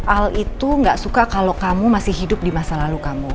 al itu gak suka kalau kamu masih hidup di masa lalu kamu